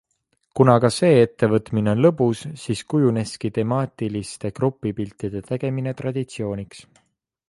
Kuna ka see ettevõtmine on lõbus, siis kujuneski temaatiliste grupipiltide tegemine traditsiooniks.